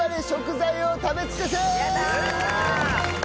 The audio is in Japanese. やったー！